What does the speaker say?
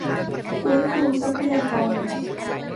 ฟื้นฟูทรัพยากร